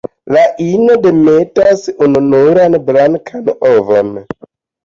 La ino demetas ununuran blankan ovon.